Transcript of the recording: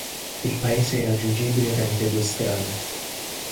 Il paese è raggiungibile tramite due strade.